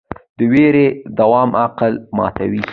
د ویرې دوام عقل ماتوي.